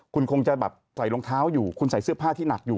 คุณคงจะแบบใส่รองเท้าอยู่คุณใส่เสื้อผ้าที่หนักอยู่